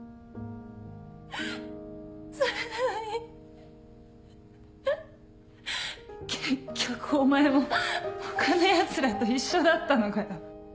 それなのに結局お前も他のヤツらと一緒だったのかよ？